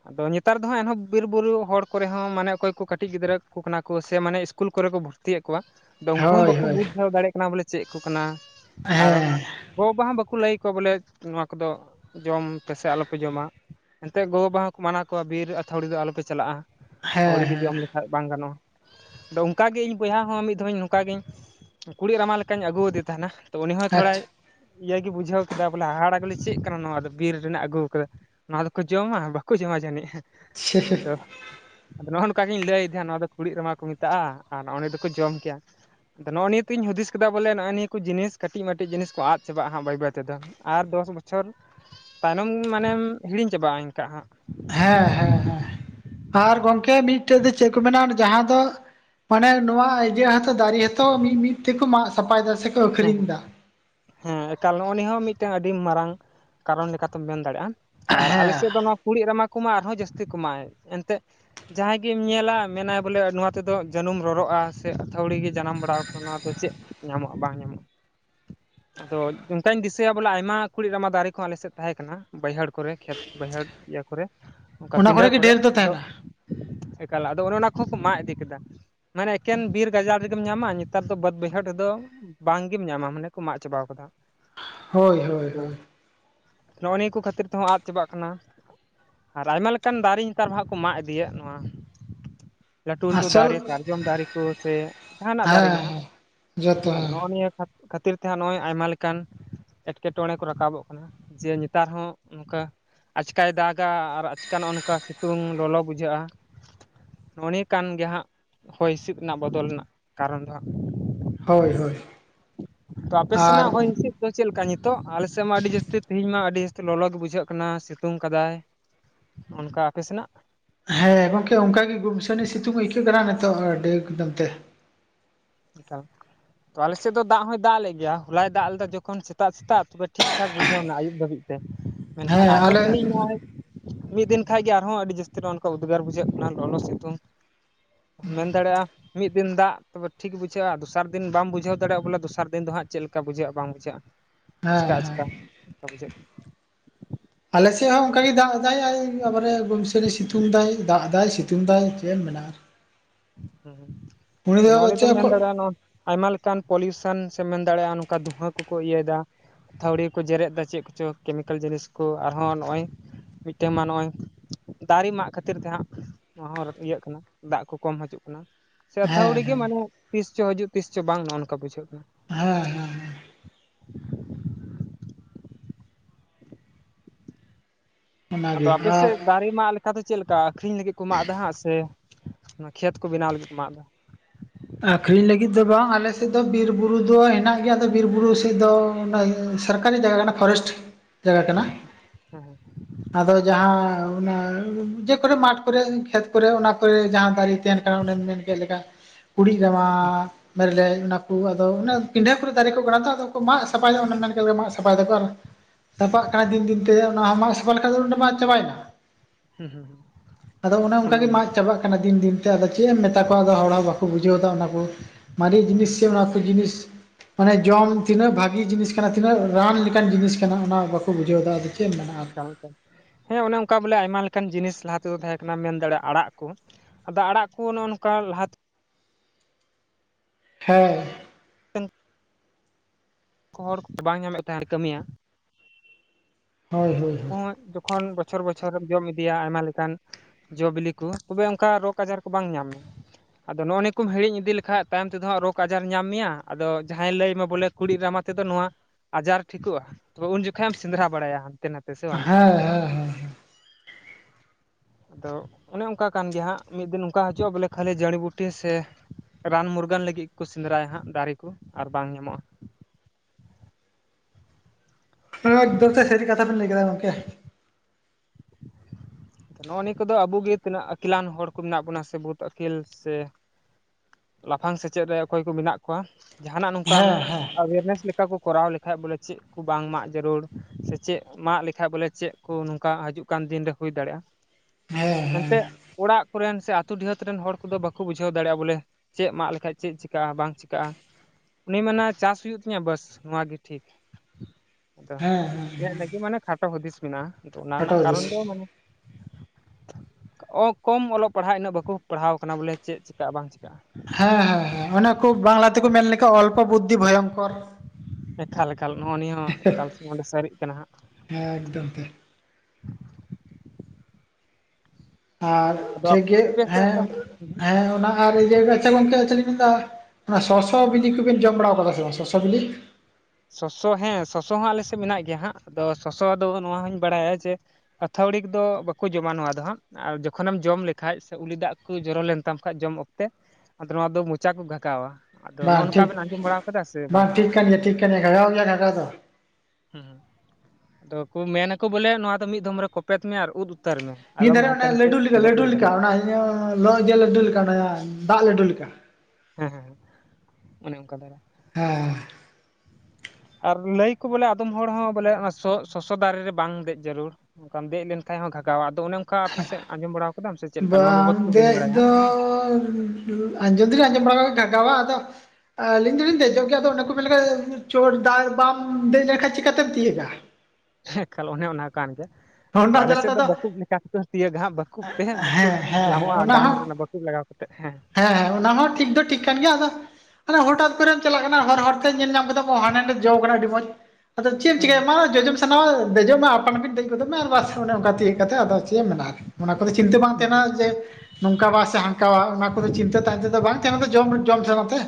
ᱟᱫᱚ ᱱᱮᱛᱟᱨ ᱫᱚ ᱦᱟᱸᱜ ᱮᱱᱦᱚᱸ ᱵᱤᱨ ᱵᱩᱨᱩ ᱦᱚᱲ ᱠᱚᱨᱮ ᱦᱚᱸ ᱢᱟᱱᱮ ᱚᱠᱚᱭ ᱠᱚ ᱠᱟᱹᱴᱤᱡ ᱜᱤᱫᱽᱨᱟᱹ ᱠᱚ ᱠᱟᱱᱟ ᱠᱚ ᱥᱮ ᱢᱟᱱᱮ ᱤᱥᱠ ᱠᱩᱞ ᱠᱚᱨᱮ ᱠᱚ ᱵᱷᱚᱨᱛᱤᱭᱮᱫ ᱠᱚᱣᱟ ᱟᱫᱚ ᱩᱱᱠᱩ ᱦᱚᱸ ᱦᱳᱭ ᱵᱟᱠᱚ ᱦᱳᱭ ᱵᱩᱡᱷᱟᱹᱣ ᱫᱟᱲᱮᱭᱟᱜ ᱠᱟᱱᱟ ᱵᱚᱞᱮ ᱪᱮᱫ ᱠᱚ ᱠᱟᱱᱟ? ᱟᱨ ᱦᱮᱸ ᱜᱚᱵᱟ ᱦᱚ ᱵᱟᱠᱚ ᱞᱟᱹᱭ ᱟᱠᱚᱣᱟ ᱵᱚᱞᱮ ᱱᱚᱶᱟ ᱠᱚᱫᱚ ᱡᱚᱢ ᱯᱮ ᱥᱮ ᱟᱞᱚ ᱯᱮ ᱡᱚᱢᱟ ᱮᱱᱛᱮ ᱜᱚᱵᱟ ᱦᱚᱸ ᱠᱚ ᱢᱟᱱᱟ‌ ᱠᱚᱣᱟ ᱵᱤᱨ ᱟᱹᱛᱷᱣᱲᱤ ᱫᱚ ᱟᱞᱚ ᱯᱮ ᱪᱟᱞᱟᱜᱼᱟ ᱟᱹᱣᱤ ᱦᱮᱸ ᱜᱮ ᱦᱮᱸ ᱡᱚᱢ ᱞᱮᱠᱷᱟᱱ ᱵᱟᱝ ᱜᱟᱱᱚᱜᱼᱟ ᱟᱫᱚ ᱚᱱᱠᱟᱜᱮ ᱤᱧ ᱵᱚᱭᱦᱟ ᱦᱚᱸ ᱢᱤᱫ ᱫᱷᱟᱣᱤᱧ ᱱᱚᱝᱠᱟ ᱜᱤᱧ ᱠᱩᱲᱤᱫ ᱨᱟᱢᱟ ᱞᱮᱠᱟᱹᱧ ᱟᱹᱜᱩ‌ ᱟᱫᱮ ᱛᱟᱦᱮᱱᱟ ᱛᱚ ᱩᱱᱤ ᱦᱚᱸ ᱛᱷᱚᱲᱟᱭ ᱟᱪᱪᱷᱟ ᱤᱭᱟᱹ ᱜᱮ ᱵᱩᱡᱷᱟᱹᱣ ᱠᱮᱫᱟ ᱵᱚᱞᱮ ᱦᱟᱦᱟᱲᱟᱜ ᱵᱚᱞᱮ ᱪᱮᱫ ᱠᱟᱱᱟ ᱱᱚᱶᱟ ᱫᱚ ᱵᱤᱨ ᱨᱮᱱᱟᱜ ᱟᱹᱜᱩ ᱠᱟᱫᱟ ᱱᱚᱶᱟ ᱫᱚᱠᱚ ᱡᱚᱢᱟ ᱵᱟᱠᱚ ᱡᱚᱢᱟ ᱡᱟᱹᱱᱤᱡ ᱟᱫᱚ ᱟᱫᱚ ᱱᱚᱜ ᱚᱭ ᱱᱚᱝᱠᱟ ᱜᱤᱧ ᱞᱟᱹᱭ ᱟᱫᱮᱭᱟ ᱱᱚᱣᱟ ᱫᱚ ᱠᱩᱲᱤᱫ ᱨᱢᱟ ᱠᱚ ᱢᱮᱛᱟᱜᱼᱟ ᱟᱨ ᱱᱚᱱᱤᱭᱟᱹ ᱫᱚᱠᱚ ᱡᱚᱢ ᱠᱮᱭᱟ ᱟᱫᱚ ᱱᱚᱜᱼᱚᱭ ᱱᱤᱭᱟᱹ ᱛᱤᱧ ᱦᱩᱫᱤᱥ ᱠᱮᱫᱟ ᱵᱚᱞᱮ ᱱᱚᱜᱼᱚᱭ ᱱᱤᱭᱟᱹ ᱠᱚ ᱡᱤᱱᱤᱥ ᱠᱟᱹᱴᱤᱡ ᱢᱟᱹᱴᱤᱡ ᱡᱤᱱᱤᱥ ᱠᱚ ᱟᱫ ᱪᱵᱟᱜᱼᱟ ᱦᱟᱸᱜ ᱵᱟᱹᱭ -ᱵᱟᱹᱭ ᱛᱮ ᱫᱚ ᱟᱨ ᱫᱚᱥ ᱵᱚᱪᱷᱚᱨ ᱛᱟᱭᱱᱚᱢ ᱢᱟᱱᱮᱢ ᱦᱤᱲᱤᱧ ᱪᱟᱵᱟᱜᱼᱟ ᱤᱱᱠᱟ ᱦᱟᱸᱜ ᱦᱮᱸ ᱦᱮᱸ ᱦᱮᱸ ᱟᱨ ᱜᱚᱝᱠᱮ ᱢᱤᱫ ᱴᱮᱡ ᱫᱚ ᱪᱮᱫ ᱠᱚ ᱢᱮᱱᱟ ᱡᱟᱦᱟᱸ ᱫᱚ ᱢᱟᱱᱮ ᱱᱚᱶᱟ ᱤᱭᱟ. ᱦᱚᱸᱛᱚ ᱫᱟᱨᱮ ᱦᱚᱛᱚ ᱢᱤᱫ ᱢᱤᱫ ᱛᱮ ᱠᱚ ᱢᱟᱜ ᱥᱟᱯᱷᱟᱭ ᱮᱫᱟ ᱥᱮ ᱦᱮᱸ ᱦᱮᱸ ᱦᱮᱸ ᱮᱠᱟᱞ ᱦᱚᱜᱚᱱᱤᱭᱟᱹ ᱦᱚᱸ ᱢᱤᱫ ᱴᱮᱱ ᱟᱹᱰᱤ ᱢᱟᱨᱟᱝ ᱠᱟᱨᱚᱱ ᱞᱮᱠᱟ ᱛᱮᱢ ᱢᱮᱱ ᱫᱟᱲᱮᱭᱟᱜᱼᱟ᱾ ᱟᱨ ᱟᱞᱮ ᱦᱮᱸ ᱥᱮᱫ ᱫᱚ ᱱᱚᱣᱟ ᱠᱩᱲᱤᱫ ᱨᱟᱢᱟ ᱠᱚᱢᱟ ᱟᱨ ᱦᱚᱸ ᱡᱟᱹᱥᱛᱤ ᱠᱚ ᱢᱟᱜ ᱮᱫ ᱮᱱᱛᱮᱫ ᱡᱟᱦᱟᱸᱭ ᱜᱮᱢ ᱧᱮᱞᱟ ᱢᱮᱱᱟ ᱵᱚᱞᱮ ᱱᱚᱶᱟ ᱛᱮᱫᱚ ᱡᱟᱹᱱᱩᱢ ᱨᱚᱨᱚᱜᱼᱟ ᱥᱮ ᱟᱹᱛᱷᱟᱹᱣᱲᱤ ᱜᱮ ᱡᱟᱱᱟᱢ ᱵᱟᱲᱟᱣ ᱟᱠᱟᱱᱟ ᱱᱚᱣᱟ ᱫᱚ ᱪᱮᱫ ᱧᱟᱢᱚᱜᱼᱟ ᱵᱟᱝ ᱧᱟᱢᱚᱜᱼᱟ ᱟᱫᱚ ᱚᱱᱠᱟᱧ ᱫᱤᱥᱟᱹᱭᱟ ᱵᱚᱞᱮ ᱟᱭᱢᱟ ᱠᱩᱲᱤᱫ ᱨᱟᱢᱟ ᱫᱟᱨᱮ ᱠᱚ ᱟᱞᱮ ᱥᱮᱫ ᱛᱟᱦᱮᱸᱠᱟᱱᱟ᱾ ᱵᱟᱹᱭᱦᱟᱹᱲ ᱠᱚᱨᱮ ᱠᱷᱮᱛ ᱵᱟᱹᱭᱦᱟᱹᱲ ᱤᱭᱟᱹ ᱠᱚᱨᱮ ᱚᱱᱠᱟ ᱚᱱᱟ ᱯᱤᱸᱰᱷᱟᱹ ᱜᱮ ᱠᱚᱨᱮ ᱰᱷᱮᱨ ᱫᱚ ᱛᱟᱦᱮᱱᱟ ᱮᱠᱟᱞᱮ ᱟᱫᱚ ᱚᱱᱟ ᱚᱱᱟ ᱠᱚᱦᱚ ᱠᱚ ᱢᱟᱜ ᱤᱫᱤ ᱠᱮᱫᱟ ᱢᱟᱱᱮ ᱮᱠᱮᱱ ᱵᱤᱨ ᱜᱟᱡᱟᱲ ᱨᱮᱜᱮᱢ ᱧᱟᱢᱟ ᱱᱮᱛᱟᱨ ᱫᱚ ᱵᱟᱹᱫ ᱵᱟᱹᱭᱦᱟᱹᱲ ᱨᱮ ᱫᱚ ᱵᱟᱝ ᱜᱮᱢ ᱧᱟᱢ-ᱟ ᱢᱟᱱᱮ ᱠᱚ ᱢᱟᱜ ᱪᱟᱵᱟᱣ ᱠᱟᱫᱟ ᱦᱳᱭ ᱦᱳᱭ ᱦᱳᱭ ᱱᱚᱜᱼᱚ ᱱᱤᱭᱟᱹ ᱠᱚ ᱠᱷᱟᱹᱛᱤᱨ ᱛᱮ ᱦᱚᱸ ᱟᱫ ᱪᱟᱵᱟᱜ ᱠᱟᱱᱟ ᱟᱨ ᱟᱭᱢᱟ ᱞᱮᱠᱟᱱ ᱫᱟᱨᱮ ᱱᱮᱛᱟᱨ ᱫᱚ ᱦᱟᱸᱜ ᱠᱚ ᱢᱟᱜ ᱤᱫᱤᱭᱮᱫ ᱱᱚᱣᱟ ᱞᱟᱹᱴᱩ ᱞᱟᱹᱴᱩ ᱟᱥᱚᱞ ᱫᱟᱨᱮ ᱥᱟᱨᱡᱚᱢ ᱫᱟᱨᱮ ᱠᱚ ᱥᱮ ᱡᱟᱦᱟᱱᱟᱜ ᱫᱟᱨᱮ ᱦᱮᱸ ᱜᱮ ᱦᱟᱸᱜ ᱦᱮᱸ ᱡᱚᱛᱚ ᱟᱫᱚ ᱦᱮᱸ ᱱᱚᱜᱼᱚᱭ ᱱᱤᱭᱟᱹ ᱠᱷ ᱠᱷᱟᱹᱛᱤᱨ ᱛᱮᱦᱟᱸᱜ ᱱᱚᱜᱚᱭ ᱟᱭᱢᱟ ᱞᱮᱠᱟᱱ ᱮᱴᱠᱮᱴᱚᱬᱮ ᱠᱚ ᱨᱟᱠᱟᱵᱚᱜ ᱠᱟᱱᱟ ᱡᱮ ᱱᱮᱛᱟᱨ ᱦᱚᱸ ᱱᱚᱝᱠᱟ ᱟᱪᱠᱟᱭ ᱫᱟᱜᱟ ᱟᱨ ᱟᱪᱠᱟ ᱱᱚ ᱱᱚᱝᱠᱟ ᱥᱤᱛᱩᱝ ᱞᱚᱞᱚ ᱵᱩᱡᱷᱟᱹᱜᱼᱟ ᱱᱚᱜᱼᱚ ᱱᱤᱭᱟᱹ ᱠᱟᱱ ᱜᱮ ᱦᱟᱸᱜ ᱦᱚᱭ ᱦᱤᱸᱥᱤᱫ ᱨᱮᱱᱟᱜ ᱵᱚᱫᱚᱞ ᱨᱮᱱᱟᱜ ᱠᱟᱨᱚᱱ ᱫᱚ ᱦᱟᱸᱜ ᱦᱳᱭ ᱦᱳᱭ ᱛᱚ ᱟᱯᱮ ᱟᱨ ᱥᱮᱱᱟᱜ ᱦᱚᱸᱭ ᱦᱤᱥᱤᱫ ᱱᱤᱛ ᱫᱚ ᱪᱮᱫᱠᱟ ᱱᱤᱛᱚᱜ ᱟᱞᱮᱮᱥᱮᱫ ᱢᱟ ᱟᱹᱰᱤ ᱡᱟᱹᱥᱛᱤ ᱛᱮᱦᱮᱧ ᱢᱟ ᱟᱹᱰᱤ ᱡᱟᱹᱥᱛᱤ ᱞᱚᱞᱚ ᱜᱮ ᱵᱩᱡᱷᱟᱹᱜ ᱠᱟᱱᱟ ᱥᱤᱛᱩᱝ ᱠᱟᱫᱟᱭ ᱚᱱᱠᱟ ᱟᱯᱮ ᱥᱮᱱᱟᱜ ᱦᱮᱸ ᱜᱚᱝᱠᱮ ᱚᱱᱠᱟᱜ ᱜᱮ ᱜᱩᱢᱴᱟᱹᱱᱤ ᱥᱤᱛᱩᱝ ᱟᱹᱭᱠᱟᱹᱜ ᱠᱟᱱᱟ ᱱᱤᱛᱚᱜ ᱟᱹᱰᱤ ᱮᱠᱫᱚᱢ ᱛᱮ [unintelligible] ᱛᱚ ᱟᱞᱮᱥᱮᱫ ᱫᱟᱜ ᱦᱚᱭ ᱫᱟᱜ ᱞᱮᱫ ᱜᱮᱭᱟ ᱦᱚᱞᱟᱭ ᱫᱟᱜ ᱞᱮᱫᱟ ᱡᱚᱠᱷᱚᱱ ᱥᱮᱛᱟᱜ ᱥᱮᱛᱟᱜ ᱛᱚᱵᱮ ᱴᱷᱤᱠ ᱴᱷᱟᱠ ᱵᱩᱡᱷᱟᱹᱣ ᱮᱱᱟᱭᱩᱵ ᱫᱷᱟᱹᱵᱤᱡ ᱦᱮᱸ ᱢᱮᱱᱠᱷᱟᱱ ᱟᱨᱦᱚᱸ ᱟᱞᱮ ᱛᱮᱦᱤᱧ ᱱᱚᱜᱼᱚᱭ ᱢᱤᱫ ᱫᱤᱱ ᱠᱷᱟᱱ ᱜᱮ ᱟᱨᱦᱚᱸ ᱟᱹᱰᱤ ᱡᱟᱹᱥᱛᱤ ᱱᱚᱠᱟ ᱩᱫᱽᱜᱟᱹᱨ ᱵᱩᱡᱷᱟᱹᱜ ᱠᱟᱱᱟ ᱞᱚᱞᱚ ᱥᱤᱛᱩᱝ ᱢᱮᱱ ᱫᱟᱲᱮᱭᱟᱜᱼᱟ ᱢᱤᱫ ᱫᱤᱱ ᱫᱟᱜ ᱛᱚᱵᱮ ᱴᱷᱤᱠ ᱵᱩᱡᱷᱟᱹᱜᱼᱟ ᱫᱚᱥᱟᱨ ᱫᱤᱱ ᱵᱟᱢ ᱵᱩᱷᱟᱹᱣ ᱫᱟᱲᱮᱼᱟ ᱵᱚᱞᱮ ᱫᱚᱥᱟᱨ ᱫᱤᱱ ᱫᱚ ᱦᱟᱜ ᱪᱮᱫ ᱞᱮᱠᱟ ᱵᱩᱡᱷᱟᱹᱜᱼᱟ ᱵᱟᱝ ᱵᱩᱡᱷᱟᱹᱜᱼᱟ ᱦᱮᱸ ᱟᱪᱠᱟ ᱦᱮᱸ ᱟᱪᱠᱟ-ᱠᱟ ᱵᱩᱡᱷᱟᱹᱜ ᱠᱟᱱᱟ ᱟᱞᱮᱥᱮᱫ ᱦᱚᱸ ᱚᱱᱠᱟᱜ ᱜᱮ ᱫᱟᱜ ᱮᱟᱭ ᱟᱵᱟᱨᱮᱭ ᱜᱩᱢᱥᱟᱹᱱᱤᱭ ᱥᱤᱛᱩᱝ ᱫᱟᱭ ᱫᱟᱜ ᱫᱟᱭ ᱥᱤ [unintelligible] ᱪᱮᱫ ᱮᱢ ᱢᱮᱱᱟᱜᱼᱟ ᱦᱩᱸ ᱫᱚ ᱦᱩᱸ ᱱᱚᱜ ᱱᱤᱭᱮ ᱠᱚᱢ ᱪᱮᱫ ᱠᱚ ᱢᱮᱱ ᱫᱟᱲᱮᱭᱟᱜ-ᱟ ᱱᱚᱣᱟ ᱟᱭᱢᱟ ᱞᱮᱠᱟᱱ ᱯᱚᱞᱤᱭᱩᱥᱚᱱ ᱥᱮᱢ ᱢᱮᱱ ᱫᱟᱲᱮᱭᱟᱜᱼᱟ ᱱᱚᱝᱠᱟ ᱫᱷᱩᱦᱟᱹ ᱠᱚᱠᱚ ᱤᱭᱟᱹᱭᱮᱫᱟ ᱛᱷᱲᱤ ᱠᱚ ᱡᱮᱨᱮᱫ ᱮᱟ ᱪᱮᱫ ᱠᱚᱪᱚ ᱠᱮᱢᱤᱠᱮᱞ ᱡᱤᱱᱤᱥ ᱠᱚ ᱟᱨᱦᱚᱸ ᱱᱚᱜᱼᱚᱭ ᱢᱤᱫᱴᱮᱱ ᱢᱟ ᱱᱚᱜᱼᱚᱭ ᱫᱟᱨᱮ ᱢᱟᱜ ᱠᱷᱟᱹᱛᱤᱨ ᱛᱮᱦᱟᱸᱜ ᱱᱚᱣᱟ ᱤᱭᱟᱹᱜ ᱠᱟᱱᱟ ᱫᱟᱜ ᱠᱚ ᱠᱚᱢ ᱦᱤᱡᱩᱜ ᱠᱟᱱᱟ ᱦᱮᱸ ᱥᱮᱛᱷᱟᱣᱲᱤ ᱜᱮ ᱦᱮᱸ ᱢᱟᱱᱮ ᱛᱤᱥ ᱪᱚ ᱦᱤᱡᱩᱜ ᱛᱤᱥ ᱪᱚ ᱵᱟᱝ ᱱᱚᱜᱼ ᱱᱚᱝᱠᱟ ᱵᱩᱡᱷᱟᱹᱜ ᱠᱟᱱᱟ ᱦᱮᱸ ᱦᱮᱸ ᱦᱮᱸ ᱟᱫᱚ ᱚᱱᱟᱜᱮ ᱟᱨ ᱟᱯᱮᱥᱮᱫ ᱫᱟᱨᱮ ᱢᱟᱜ ᱠᱟ ᱫᱚ ᱪᱮᱫ ᱞᱮᱠᱟ ᱟᱠᱷᱨᱤᱧ ᱞᱟᱹᱜᱤᱫ ᱠᱚ ᱢᱟᱜ ᱮᱫᱟ ᱦᱟᱸᱜ ᱥᱮ ᱚᱱᱟ ᱠᱷᱮᱛ ᱠᱚ ᱵᱮᱱᱟᱣ ᱞᱟᱹᱜᱤᱫ ᱠᱚ ᱢᱟᱜ ᱮᱫᱟ ᱟᱠᱷᱨᱤᱧ ᱞᱟᱹᱜᱤᱫ ᱫᱚ ᱵᱟᱝ ᱟᱞᱮᱥᱮᱫ ᱫᱚ ᱵᱤᱨ ᱵᱩᱨᱩ ᱫᱚ ᱦᱮᱱᱟᱜ ᱜᱮᱭᱟ ᱟᱫᱚ ᱵᱤᱨ ᱵᱩᱨᱩ ᱥᱮᱫ ᱫᱚ ᱚᱱᱟ.... ᱥᱚᱨᱠᱟᱨᱤ ᱡᱟᱭᱜᱟ ᱠᱟᱱᱟ ᱯᱷᱚᱨᱮᱥᱴ ᱡᱟᱭᱜᱟ ᱠᱟᱱᱟ ᱦᱮᱸ ᱟᱫᱚ ᱡᱟᱦᱟᱸ ᱚᱱᱟ ᱡᱮ ᱠᱚᱨᱮ ᱢᱟᱴ ᱠᱚᱨᱮ ᱠᱷᱮᱛ ᱠᱚᱨᱮ ᱚᱱᱟ ᱠᱚᱨᱮ ᱡᱟᱦᱟᱸ ᱫᱟᱨᱮ ᱛᱟᱦᱮᱱ ᱟ ᱚᱱᱮᱧ ᱢᱮᱱ ᱠᱮᱫ ᱞᱮᱠᱟ ᱠᱩᱲᱤᱡ ᱨᱟᱢᱟ ᱢᱮᱨᱮᱞᱮ ᱚᱱᱟ ᱛᱩ ᱟᱫᱚ ᱚᱱᱮ ᱯᱤᱰᱟᱹ ᱠᱚᱨᱮ ᱫᱟᱨᱮ ᱠᱚᱲᱟᱮᱫᱫᱟ ᱟᱫᱚ ᱠᱚ ᱢᱟᱜ ᱥᱟᱯᱷᱟᱭᱮᱫᱟ ᱢᱮᱱ ᱠᱟᱛᱮ ᱢᱟᱜ ᱥᱟᱯᱷᱟᱭ ᱫᱟᱠᱚ ᱟᱨ ᱛᱟᱯᱟᱜ ᱠᱟᱭ ᱫᱤᱱ ᱫᱤᱱᱛᱮ ᱚᱱᱟ ᱟᱢᱟᱜ ᱥᱟᱯᱷᱟ ᱞᱮᱠᱟ ᱛᱮᱫᱚ ᱚᱸᱰᱮ ᱢᱟ ᱪᱟᱵᱟᱭᱮᱱᱟ ᱦᱮᱸ ᱟᱫᱚ ᱚᱱᱮ ᱦᱮᱸ ᱚᱱᱠᱟᱜᱮᱢ ᱚᱱᱟ ᱟᱜ ᱪᱟᱵᱟᱜ ᱠᱟᱱᱟ ᱫᱤᱱ ᱫᱤᱱᱛᱮ ᱟᱫᱚ ᱪᱮᱫ ᱮᱢ ᱢᱮᱛᱟ ᱠᱚᱣᱟ ᱟᱫᱚ ᱦᱚᱲ ᱦᱚᱸ ᱵᱟ ᱼᱼ ᱠᱚ ᱵᱩᱡᱷᱟᱹᱣ ᱫᱟ ᱚᱱᱟ ᱠᱚ ᱢᱟᱨᱮ ᱡᱤᱱᱤᱥ ᱦᱮᱸ ᱥᱮ ᱚᱱᱟ ᱠᱚ ᱡᱤᱱᱤᱥ ᱢᱟᱱᱮ ᱡᱚᱢ ᱛᱤᱱᱟᱹᱜ ᱵᱷᱟᱜᱤ ᱡᱤᱱᱤᱥ ᱠᱟᱱᱟ ᱛᱤᱱᱟᱹᱜ ᱨᱟᱱ ᱞᱮᱠᱟᱱ ᱡᱤᱱᱤᱥ ᱠᱟᱱᱟ ᱚᱱᱟ ᱵᱟᱠᱚ ᱵᱩᱡᱷᱟᱹᱣ ᱫᱟ ᱟᱫᱚ ᱪᱮ ᱚᱱᱠᱟᱞᱮᱠᱟ ᱦᱮᱸ ᱚᱱᱮ ᱚᱱᱠᱟ ᱵᱚᱞᱮ ᱟᱭᱢᱟ ᱞᱮᱠᱟᱱ ᱡᱤᱱᱤᱥ ᱞᱟᱦᱟ ᱛᱮᱫᱚ ᱛᱟᱦᱮᱸ ᱠᱟᱱᱟ ᱢᱮᱱ ᱫᱟᱲᱮᱭᱟᱜᱼᱟ ᱟᱲᱟᱜ ᱠᱚ ᱟᱫᱚ ᱟᱲᱟᱜ ᱠᱚ ᱱᱚᱜᱼᱚ ᱱᱚᱝᱠᱟ ᱞᱟᱦᱟᱛᱮ ᱦᱮᱸ [inaudible] ᱦᱚᱲ ᱠᱚᱫᱚ ᱵᱟᱝ ᱧᱟᱢᱮᱫ ᱛᱟᱦᱮᱸ ᱠᱟᱹᱢᱤᱭᱟ ᱦᱳᱭ ᱦᱳᱭ ᱦᱳᱭ ᱚᱡ ᱡᱚᱠᱷᱚᱱ ᱵᱚᱪᱷᱚᱨ ᱵᱚᱪᱷᱚᱨᱮᱢ ᱡᱚᱢ ᱤᱫᱤᱭᱟ ᱟᱭᱢᱟ ᱞᱮᱠᱟᱱ ᱡᱚ ᱵᱤᱞᱤ ᱠᱚ ᱛᱚᱵᱮ ᱚᱱᱠᱟ ᱨᱳᱜᱽ ᱟᱡᱟᱨ ᱠᱚ ᱵᱟᱝ ᱧᱟᱢ ᱢᱮᱭᱟ ᱟᱫᱚ ᱱᱚᱜᱼᱱᱤᱭᱟᱹ ᱠᱚᱢ ᱦᱤᱲᱤᱧᱤᱫ ᱞᱮᱠᱷᱟᱡ ᱛᱟᱭᱚᱢ ᱛᱮᱫᱚ ᱦᱟᱸᱜ ᱨᱳᱜᱽ ᱟᱡᱟᱨ ᱧᱟᱢ ᱢᱮᱭᱟ ᱟᱫᱚ ᱡᱟᱦᱟᱸᱭ ᱞᱟᱹᱭᱟᱢᱟ ᱵᱚᱞᱮ ᱠᱩᱸᱲᱤᱫ ᱨᱟᱢᱟ ᱛᱮᱫᱚ ᱱᱚᱣᱟ ᱟᱡᱟᱨ ᱴᱷᱤᱠᱚᱜᱼᱟ ᱛᱚᱵᱮ ᱩᱱ ᱡᱚᱠᱷᱮᱡ ᱮᱢ ᱥᱮᱸᱫᱽᱨᱟ ᱵᱟᱲᱟᱭᱟ ᱦᱟᱱᱛᱮ ᱱᱟᱛᱮ ᱦᱮᱥᱮ ᱦᱮᱸ ᱵᱟᱝ ᱦᱮᱸ ᱦᱮᱸ ᱟᱫᱚ ᱚᱱᱮ ᱚᱱᱠᱟ ᱠᱟᱱ ᱜᱮᱭᱟ ᱦᱟᱹᱜ ᱢᱤᱫ ᱫᱤᱱ ᱚᱱᱠᱟ ᱦᱤᱡᱩᱜᱼᱟ ᱵᱚᱞᱮ ᱠᱷᱟᱹᱞᱤ ᱡᱟᱹᱲᱤ ᱵᱩᱴᱤ ᱥᱮ ᱨᱟᱱ ᱢᱩᱨᱜᱟᱹᱱ ᱞᱟᱹᱜᱤᱫ ᱠᱚ ᱥᱮᱸᱫᱽᱨᱟᱭᱟ ᱦᱟᱸᱜ ᱫᱟᱨᱮ ᱠᱚ ᱟᱨ ᱵᱟᱝ ᱧᱟᱢᱚᱜᱼᱟ ᱦᱟᱸ ᱮᱠᱫᱚᱢ ᱛᱮ ᱥᱟᱹᱨᱤ ᱠᱟᱷᱟ ᱵᱮᱱ ᱞᱟᱹᱭ ᱠᱮᱫᱟ ᱜᱚᱝᱠᱮ ᱱᱚᱜᱼᱱᱤᱭᱟᱹ ᱠᱚᱫᱚ ᱟᱵᱩᱜ ᱜᱮ ᱛᱤᱱᱟᱹᱜ ᱟᱹᱠᱤᱞᱟᱱ ᱦᱚᱲ ᱠᱚ ᱢᱮᱱᱟᱜ ᱵᱚᱱᱟ ᱥᱮ ᱵᱩᱫ ᱟᱹᱠᱤᱞ ᱥᱮ ᱞᱟᱯᱷᱟᱝ ᱥᱮᱪᱮᱫ ᱨᱮ ᱚᱠᱚᱭ ᱠᱚ ᱢᱮᱱᱟᱜ ᱠᱚᱣᱟ ᱡᱟᱦᱟᱱᱟᱜ ᱱᱚᱝᱠᱟᱱ ᱦᱮᱸ ᱦᱮᱸ ᱮᱣᱮᱨᱱᱮᱥ ᱞᱮᱠᱟ ᱪᱮᱠᱟ ᱠᱚ ᱠᱚᱨᱟᱣ ᱞᱮᱠᱷᱟᱡ ᱵᱚᱞᱮ ᱪᱮᱫ ᱠᱚ ᱵᱟᱝ ᱢᱟᱜ ᱡᱟᱹᱨᱩᱲ ᱥᱮ ᱪᱮᱫ ᱢᱟᱜ ᱞᱮᱠᱷᱟᱡ ᱵᱚᱞᱮ ᱪᱮᱫ ᱠᱚ ᱱᱚᱝᱠᱟ ᱦᱤᱡᱩᱜ ᱠᱟᱱ ᱫᱤᱱ ᱨᱮ ᱦᱩᱭ ᱫᱟᱲᱮᱭᱟᱜᱼᱟ ᱦᱮᱸ ᱮᱱᱛᱮᱫ ᱚᱲᱟᱜ ᱠᱚᱨᱮᱱ ᱥᱮ ᱟᱹᱛᱩ ᱰᱤᱦᱟᱹᱛ ᱨᱮᱱ ᱦᱚᱲ ᱠᱚᱫᱚ ᱵᱟᱠᱚ ᱵᱩᱡᱷᱟᱹᱣ ᱫᱟᱲᱮᱭᱟᱜᱼᱟ ᱵᱚᱞᱮ ᱪᱮᱫ ᱢᱟᱜ ᱞᱮᱠᱷᱟᱡ ᱪᱮᱫ ᱪᱤᱠᱟᱹᱜᱼᱟ ᱵᱟᱝ ᱪᱤᱠᱟᱹᱜᱼᱟ ᱩᱱᱤᱭ ᱢᱮᱱᱟ ᱪᱟᱥ ᱦᱩᱭᱩᱜ ᱛᱤᱧᱟᱹ ᱵᱟᱥ ᱱᱚᱣᱟ ᱜᱮ ᱴᱷᱤᱠ ᱟᱫᱚ ᱦᱮᱸ ᱦᱮᱸ ᱤᱧᱟᱹᱜ ᱞᱟᱹᱜᱤᱫ ᱢᱟᱱᱮ ᱠᱷᱟᱴᱚ ᱦᱩᱫᱤᱥ ᱢᱮᱱᱟᱜᱼᱟ ᱚᱱᱟ ᱠᱷᱟᱴᱚ ᱨᱮᱱᱟᱜ ᱦᱩᱫᱤᱥ ᱠᱟᱨᱚᱱ ᱫᱚ ᱢᱟᱱᱮ ᱚ ᱠᱚᱢ ᱚᱞᱚᱜ ᱯᱟᱲᱦᱟᱜ ᱤᱱᱟᱹᱜ ᱵᱟᱠᱚ ᱯᱟᱲᱦᱟᱣ ᱠᱟᱱᱟ ᱵᱚᱞᱮ ᱪᱮᱫ ᱪᱤᱠᱟᱹᱜᱼᱟ ᱵᱟᱝ ᱪᱤᱠᱟᱹᱜᱼᱟ ᱦᱮᱸ ᱦᱮᱸ ᱦᱮᱸ ᱚᱱᱮ ᱠᱩ ᱵᱟᱝᱞᱟ ᱛᱮᱠᱚ ᱢᱮᱱ ᱞᱮᱠᱷᱟ ᱚᱞᱯᱚ ᱵᱩᱫᱽᱫᱷᱤ ᱵᱷᱚᱭᱚᱝᱠᱚᱨ ᱮᱠᱟᱞ ᱮᱠᱟᱞ ᱱᱚᱜᱼᱱᱤᱭᱟᱹ ᱦᱚᱸ ᱮᱠᱟᱞ ᱥᱚᱢᱚ ᱫᱚ ᱥᱟᱹᱨᱤᱜ ᱠᱟᱱᱟ ᱦᱟᱸᱜ ᱦᱮᱸ ᱮᱠᱫᱚᱢ ᱛᱮ ᱟᱨ ᱟᱫᱚ ᱴᱷᱤᱠ ᱜᱮ ᱟᱯᱮ ᱥᱮᱫ ᱦᱮᱸ ᱫᱚ ᱦᱮᱸ ᱚᱱᱟ ᱟᱨ ᱤᱭᱟᱹ ᱟᱪᱪᱷᱟ ᱜᱚᱢᱠᱮ ᱟᱴᱪᱮᱫ ᱞᱤᱧ ᱢᱮᱱᱫᱟ ᱚᱱᱟ ᱥᱚᱥᱚ ᱵᱤᱞᱤ ᱠᱚᱵᱮᱱ ᱡᱚᱢ ᱵᱟᱲᱟ ᱟᱠᱟᱫᱟ ᱥᱮ ᱵᱟᱝ ᱥᱚᱥᱚ ᱵᱤᱞᱤ ᱥᱚᱥᱚ ᱦᱮᱸ ᱥᱚᱥᱚ ᱦᱚᱸ ᱟᱞᱮ ᱥᱮᱫ ᱢᱮᱱᱟᱜ ᱜᱮᱭᱟ ᱦᱟᱸᱜ ᱟᱫᱚ ᱥᱚᱥᱚ ᱫᱚ ᱱᱚᱣᱟ ᱦᱚᱧ ᱵᱟᱲᱟᱭᱟ ᱡᱮ ᱟᱹᱛᱷᱟᱹᱣᱲᱤᱠ ᱫᱚ ᱵᱟᱠᱚ ᱡᱚᱢᱟ ᱱᱚᱣᱟ ᱫᱚ ᱦᱟᱸᱜ ᱟᱨ ᱡᱚᱠᱷᱚᱱᱮᱢ ᱡᱚᱢ ᱞᱮᱠᱷᱟᱡ ᱥᱮ ᱩᱞᱤᱫᱟᱜ ᱠᱚ ᱡᱚᱨᱚ ᱞᱮᱱ ᱛᱟᱢ ᱠᱷᱟᱡ ᱡᱚᱢ ᱚᱠᱛᱮ ᱟᱫᱚ ᱱᱚᱣᱟ ᱫᱚ ᱢᱚᱪᱟ ᱠᱚ ᱜᱷᱟᱜᱷᱟᱣᱟ ᱟᱫᱚ ᱱᱚᱜᱼᱚ ᱵᱟᱝ ᱱᱚᱝᱠᱟ ᱵᱮᱱ ᱟᱸᱡᱚᱢ ᱵᱟᱲᱟ ᱠᱟᱫᱟ ᱥᱮ ᱵᱟᱝ ᱦᱟᱸᱜ ᱦᱮᱸ ᱜᱷᱟᱜᱟᱣ ᱜᱮᱭᱟ ᱜᱷᱟᱜᱟᱣ ᱫᱚ ᱦᱩᱸ ᱟᱫᱚ ᱠᱚ ᱢᱮᱱᱟᱠᱚ ᱵᱚᱞᱮ ᱱᱚᱣᱟ ᱫᱚ ᱢᱤᱫ ᱫᱷᱚᱢ ᱨᱮ ᱠᱚᱯᱮᱛ ᱢᱮ ᱟᱨ ᱩᱫ ᱩᱛᱟᱹᱨ ᱢᱮ, ᱢᱤᱫ ᱟᱞᱚᱢ ᱫᱷᱟᱨᱮ ᱦᱟᱱᱛᱮ ᱚᱱᱮ ᱱᱟᱛᱮ ᱞᱟᱹᱰᱩ ᱞᱮᱠᱟ ᱛᱚᱜᱚᱡ ᱞᱟᱹᱰᱩ ᱤᱭᱟᱹ ᱵᱟᱲᱟᱭᱟ᱾ [inaudible] ᱞᱟᱹᱰᱩ ᱞᱮᱠᱟ ᱱᱟᱭᱟ ᱫᱟᱜ ᱞᱟᱹᱰᱩ ᱞᱮᱠᱟ᱾ ᱦᱮᱸ ᱦᱮᱸ ᱦᱮᱸ, ᱚᱱᱮ ᱚᱱᱠᱟ ᱫᱷᱟᱨᱟ᱾ [unintelligible] ᱟᱨ ᱞᱟᱹᱭ ᱠᱚ ᱵᱚᱞᱮ ᱟᱫᱚᱢ ᱦᱚᱲ ᱦᱚᱸ ᱵᱚᱞᱮ ᱚᱱᱟ ᱥᱚᱜ ᱥᱚᱥᱚ ᱫᱟᱨᱮ ᱨᱮ ᱵᱟᱝ ᱫᱮᱡ ᱡᱟᱹᱨᱩᱲ᱾ ᱚᱱᱠᱟᱢ ᱫᱮᱡ ᱞᱮᱱᱠᱷᱟᱡ ᱦᱚᱸ ᱜᱷᱟᱜᱷᱟᱣᱟ ᱟᱫᱚ ᱚᱱᱮ ᱚᱱᱠᱟ ᱟᱯᱮᱥᱮᱫ ᱟᱸᱡᱚᱢ ᱵᱟᱲᱟᱣᱼᱼ ᱵᱟᱝ ᱫᱮᱡ ᱫᱚ ᱟᱸᱡᱚᱢ ᱫᱚᱞᱤᱧ ᱟᱸᱡᱚᱢ ᱵᱟᱲᱟᱣᱟᱠᱟᱜ ᱠᱚᱣᱟ ᱜᱷᱟᱜᱷᱟᱣᱟ ᱟᱫᱚ, ᱟᱹᱞᱤᱧ ᱫᱚᱞᱤᱧ ᱫᱮᱡᱚᱜ ᱜᱮᱭᱟ ᱟᱫᱚ ᱚᱱᱮ ᱠᱚ ᱢᱮᱱᱞᱮᱠᱟ ᱪᱚᱴ ᱫᱟ ᱵᱟᱢ ᱫᱮᱡ ᱞᱮᱱᱠᱷᱟᱡ ᱪᱤᱠᱟᱛᱮᱢ ᱛᱤᱭᱟᱹᱜᱟ᱾ ᱮᱸᱠᱷᱟᱞ ᱚᱱᱮ ᱚᱱᱟ ᱠᱟᱱ ᱜᱮᱭᱟ ᱟᱫᱚ ᱚᱱᱟ ᱟᱞᱮ ᱡᱟᱞᱟᱛᱮ ᱥᱮᱫ ᱫᱚ ᱟᱫᱚ ᱵᱟᱠᱩᱵ ᱞᱮᱠᱟᱛᱮ ᱠᱚ ᱛᱤᱭᱟᱹᱜᱟ ᱦᱟᱸᱜ ᱵᱟᱠᱩᱵ ᱛᱮ ᱵᱟᱠᱩᱵ ᱦᱮᱸ ᱦᱮᱸ ᱦᱮᱸ ᱧᱟᱢᱚᱜᱼᱟ ᱚᱱᱟ ᱰᱟᱝ ᱦᱚᱸ ᱨᱮᱱᱟᱜ ᱵᱟᱹᱠᱩᱵ ᱞᱟᱜᱟᱣ ᱠᱟᱛᱮᱫ ᱦᱮᱸ᱾ ᱦᱮᱸ ᱦᱮᱸ ᱚᱱᱟᱢᱟ ᱴᱷᱤᱠ ᱫᱚ ᱴᱷᱤᱠ ᱠᱟᱱ ᱜᱮᱭᱟ ᱟᱫᱚ ᱟᱫᱚ ᱦᱚᱴᱟᱛ ᱠᱚᱨᱮᱢ ᱪᱟᱞᱟᱜ ᱠᱟᱱᱟ ᱦᱚᱨ ᱦᱚᱨᱛᱮ ᱧᱮᱞ ᱧᱟᱢ ᱠᱮᱫᱟ ᱦᱟᱱᱦᱟᱸᱰᱮ ᱡᱚ ᱠᱟᱱᱟ ᱟᱹᱰᱤ ᱢᱚᱡᱽ ᱟᱫᱚᱢ ᱪᱮᱫ ᱮᱢ ᱦᱩᱸ ᱪᱮᱠᱟᱭᱟ ᱢᱟ ᱡᱚᱡᱚᱢ ᱥᱟᱱᱟᱣᱟ ᱫᱮᱡᱚᱜ ᱢᱮ ᱟᱯᱟᱱ ᱟᱹᱯᱤᱱ ᱫᱮᱼᱼ [inaudible] ᱢᱮ ᱟᱨ ᱵᱟᱥ ᱚᱱᱮ ᱚᱱᱠᱟ ᱛᱤᱭᱳᱜ ᱠᱟᱛᱮᱫ ᱟᱫᱚ ᱪᱮᱫ ᱮᱢ ᱢᱮᱱᱟᱜᱼᱟ ᱚᱱᱟ ᱠᱚᱫᱚ ᱪᱤᱱᱛᱟᱹ ᱵᱟᱝ ᱛᱟᱦᱮᱱᱟ ᱦᱩᱸ ᱡᱮ ᱱᱚᱝᱠᱟᱣᱟ ᱥᱮ ᱦᱟᱱᱠᱟᱣᱟ ᱚᱱᱟ ᱠᱚᱫᱚ ᱪᱤᱱᱛᱟᱹ ᱛᱟᱦᱮᱱ ᱛᱮ ᱫᱚ ᱵᱟᱝ ᱛᱟᱦᱮᱸ ᱥᱮ ᱡᱚᱢ ᱡᱚᱢ ᱥᱟᱱᱟ ᱛᱮ᱾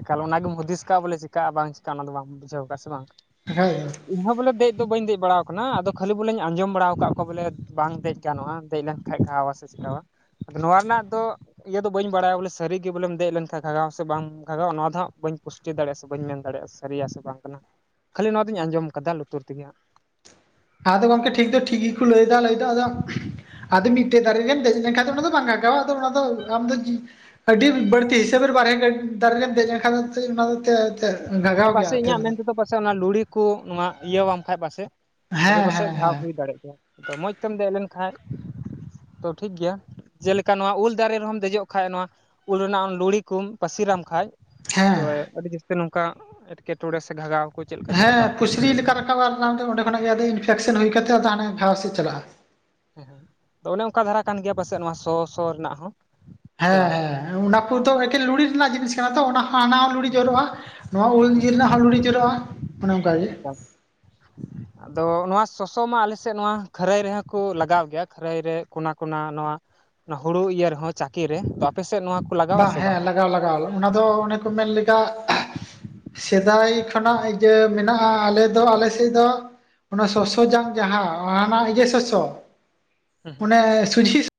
ᱮᱠᱟᱞ ᱚᱱᱟᱜᱮᱢ ᱦᱩᱫᱤᱥ ᱠᱟᱜᱼᱟ ᱵᱚᱞᱮ ᱪᱤᱠᱟᱜᱼᱟ ᱵᱟᱝ ᱪᱤᱠᱟᱜᱼᱟ ᱚᱱᱟ ᱫᱚ ᱵᱟᱢ ᱵᱩᱡᱷᱟᱹᱣ ᱠᱟᱜᱼᱟ ᱥᱮ ᱵᱟᱝ? [inaudible] ᱤᱧᱦᱚᱸ ᱵᱚᱞᱮ ᱫᱮᱡ ᱫᱚ ᱵᱟᱹᱧ ᱫᱮᱡ ᱵᱟᱲᱟᱣ ᱟᱠᱟᱱᱟ ᱟᱫᱚ ᱠᱷᱟᱹᱞᱤ ᱵᱚᱞᱮᱧ ᱟᱸᱡᱚᱢ ᱵᱟᱲᱟᱣ ᱠᱟᱫ ᱠᱚᱣᱟ ᱵᱚᱞᱮ ᱵᱟᱝ ᱫᱮᱡ᱾ ᱜᱟᱱᱚᱜᱼᱟ, ᱫᱮᱡ ᱞᱮᱱ ᱠᱷᱟᱡ ᱜᱷᱟᱣᱟ ᱥᱮ ᱪᱤᱠᱟᱣᱟ᱾ ᱟᱫᱚ ᱱᱚᱣᱟ ᱨᱮᱱᱟᱜ ᱫᱚ ᱤᱭᱟᱹ ᱫᱚ ᱵᱟᱹᱧ ᱵᱟᱲᱟᱭᱟ ᱵᱚᱞᱮ ᱥᱟᱹᱨᱤᱜᱮ ᱵᱚᱞᱮᱢ ᱫᱮᱡ ᱞᱮᱱᱠᱷᱟᱡ ᱜᱷᱟᱜᱟᱣᱟ ᱥᱮ ᱵᱟᱝ᱾ ᱜᱷᱟᱜᱷᱟᱣᱟ ᱱᱚᱣᱟ ᱫᱚ ᱦᱟᱸᱜ ᱵᱟᱹᱧ ᱯᱩᱥᱴᱤ ᱫᱟᱲᱮᱜᱼᱟ ᱥᱮ ᱵᱟᱹᱧ ᱢᱮᱱ ᱫᱟᱲᱮᱜᱼᱟ ᱥᱟᱹᱨᱤᱭᱟ ᱥᱮ ᱵᱟᱝ ᱠᱟᱱᱟ᱾ ᱠᱷᱟᱹᱞᱤ ᱱᱚᱣᱟᱫᱚᱧ ᱟᱸᱡᱚᱢ ᱠᱟᱫᱟ ᱞᱩᱛᱩᱨ ᱛᱮᱜᱮᱦᱟᱸᱜ᱾ ᱟᱫᱚ ᱜᱚᱢᱠᱮ ᱴᱷᱤᱠ ᱫᱚ ᱴᱷᱤᱠ ᱜᱮᱠᱚ ᱞᱟᱹᱭᱫᱟ ᱞᱟᱹᱭᱫᱚ ᱟᱫᱚ ᱟᱫᱚ ᱢᱤᱜᱼᱼ ᱢᱤᱫᱴᱮᱫ ᱫᱟᱨᱮ ᱨᱮᱢ ᱫᱮᱡ ᱞᱮᱱᱠᱷᱟᱸᱡ ᱫᱚ ᱚᱱᱟ ᱫᱚ ᱵᱟᱝ ᱜᱷᱟᱜᱷᱟᱣᱟ ᱟᱫᱚ ᱚᱱᱟ ᱫᱚ ᱟᱢ ᱫᱚ ᱪᱤᱼᱼ ᱟᱹᱰᱤ ᱵᱟᱹᱲᱛᱤ ᱦᱤᱥᱟᱹᱵᱮᱨ ᱵᱟᱨᱦᱮ ᱜᱮ ᱫᱟᱨᱮ ᱨᱮᱢ ᱫᱮᱡ ᱞᱮᱱᱠᱷᱟᱱ ᱫᱚ ᱛᱮᱫ ᱚᱱᱟ ᱫᱚ ᱛᱮᱫ᱾ ᱦᱮᱸ ᱯᱟᱥᱮᱡ ᱤᱧᱟᱹᱜ ᱢᱮᱱᱛᱮᱫᱚ ᱯᱟᱥᱮᱡ ᱚᱱᱟ ᱞᱩᱲᱤ ᱠᱩ ᱱᱚᱣᱟ ᱤᱭᱟᱹ ᱣᱟᱢ ᱠᱷᱟᱡ ᱯᱟᱥᱮᱡ ᱛᱚᱵᱮ ᱦᱮᱸ ᱯᱟᱥᱮᱡ ᱦᱮᱸ ᱜᱷᱟᱣ ᱦᱮᱸ ᱦᱩᱭ ᱫᱟᱲᱮᱜ ᱜᱮᱭᱟ᱾ ᱛᱚ ᱢᱚᱸᱡᱽ ᱛᱮᱢ ᱫᱮᱡ ᱞᱮᱱ ᱠᱷᱟᱡ ᱛᱚ ᱴᱷᱤᱠᱜᱮᱭᱟ᱾ ᱡᱮᱞᱮᱠᱟ ᱱᱚᱣᱟ ᱩᱞ ᱫᱟᱨᱮ ᱨᱮᱦᱚᱢ ᱫᱮᱡᱚᱜ ᱠᱷᱟᱡ ᱱᱚᱣᱟ ᱩᱞ ᱨᱮᱱᱟᱜ ᱞᱩᱲᱤ ᱠᱚᱢ ᱯᱟᱹᱥᱤᱨᱟᱢ ᱠᱷᱟᱡ᱾ ᱦᱮᱸ ᱛᱚᱣᱮ ᱟᱹᱰᱤ ᱡᱟᱹᱥᱛᱤ ᱱᱚᱝᱠᱟ ᱮᱴᱠᱮᱴᱚᱬᱮ ᱥᱮ ᱜᱷᱟᱜᱟᱣ ᱠᱚᱡᱼᱼ ᱦᱮᱸ ᱯᱩᱥᱨᱤ ᱞᱮᱠᱟ ᱨᱟᱠᱟᱵ ᱟ ᱚᱱᱟᱛᱮ ᱚᱸᱰᱮ ᱠᱷᱚᱱᱟᱜ ᱜᱮ ᱟᱫᱚ ᱤᱱᱯᱷᱮᱠᱥᱮᱱ ᱦᱩᱭ ᱠᱟᱛᱮ ᱟᱫᱚ ᱦᱟᱱᱮ ᱜᱷᱟᱣ ᱥᱮᱫ ᱪᱟᱞᱟᱜᱼᱟ᱾ ᱦᱮᱸ, ᱟᱫᱚ ᱚᱱᱮ ᱚᱱᱠᱟ ᱫᱷᱟᱨᱟ ᱠᱟᱱ ᱜᱮᱭᱟ ᱯᱟᱥᱮᱫ ᱱᱚᱣᱟ ᱥᱚ ᱥᱚ ᱨᱮᱱᱟᱜ ᱦᱚᱸ᱾ ᱥᱮ ᱦᱮᱸ ᱵᱟᱝ ᱦᱮᱸ, ᱚᱱᱟ ᱠᱚ ᱫᱚ ᱮᱠᱮᱱ ᱞᱩᱜᱲᱤ ᱨᱮᱱᱟᱜ ᱡᱤᱱᱤᱥ ᱠᱟᱱᱟ ᱛᱚ ᱚᱱᱟ ᱦᱟᱱᱟ᱾ ᱞᱩᱲᱤ ᱡᱚᱨᱚᱜᱼᱟ ᱱᱚᱣᱟ ᱩᱞ ᱦᱮᱸ ᱡᱤᱞ ᱨᱮᱱᱟᱜ ᱦᱚᱸ ᱞᱩᱲᱤ ᱡᱚᱨᱚᱜᱼᱟ ᱚᱱᱮ ᱚᱱᱠᱟ ᱜᱮ᱾ ᱟᱪᱪᱷᱟ [inaudible] ᱟᱫᱚ ᱱᱚᱣᱟ ᱥᱚᱥᱚ ᱢᱟ ᱟᱞᱮ ᱥᱮᱫ ᱱᱚᱣᱟ ᱠᱷᱟᱹᱨᱟᱹᱭ ᱨᱮᱦᱚᱸ ᱠᱚ ᱞᱟᱜᱟᱣ ᱜᱮᱭᱟ ᱠᱷᱟᱹᱨᱟᱹᱭ ᱨᱮ ᱠᱚᱱᱟ ᱱᱚᱣᱟ᱾ ᱚᱱᱟ ᱦᱩᱲᱩ ᱤᱭᱟᱹ ᱨᱮᱦᱚᱸ ᱪᱟᱠᱤ ᱨᱮ ᱛᱚ ᱟᱯᱮᱥᱮᱫ ᱱᱚᱣᱟ ᱞᱟᱜᱟᱣᱟ ᱵᱟᱝ ᱥᱮ ᱦᱮᱸ ᱞᱟᱜᱟᱣ ᱞᱟᱜᱟᱣ ᱚᱱᱟ ᱫᱚ ᱚᱱᱮ ᱠᱚ ᱢᱮᱱ ᱞᱮᱠᱟ, ᱥᱮᱫᱟᱭ ᱠᱷᱚᱱᱟᱜ ᱤᱭᱟᱹ ᱢᱮᱱᱟᱜᱼᱟ ᱟᱞᱮ ᱫᱚ ᱟᱞᱮ ᱥᱮᱫ ᱫᱚ ᱚᱱᱟ ᱥᱚᱥᱚ ᱡᱟᱝ ᱡᱟᱦᱟᱸ ᱚ ᱦᱟᱱᱟ ᱤᱭᱟᱹ ᱥᱚᱥᱚ ᱦᱟᱸᱜ ᱚᱱᱮ ᱥᱚᱡᱷᱤᱼᱼ